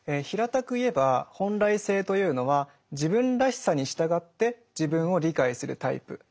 平たく言えば「本来性」というのは自分らしさに従って自分を理解するタイプ。